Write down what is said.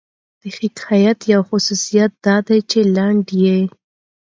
د حکایت یو خصوصیت دا دئ، چي لنډ يي.